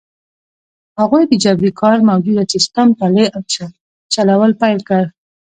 هغوی د جبري کار موجوده سیستم پلی او چلول پیل کړ.